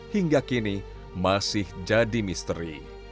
hingga kini masih jadi misteri